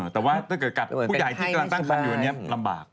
แต่ว่าถ้าเกิดกัดผู้ใหญ่ที่กำลังตั้งคันอยู่อันนี้ลำบาก